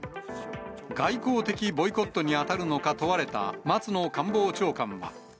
外交的ボイコットに当たるのか問われた松野官房長官は。